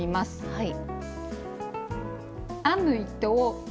はい。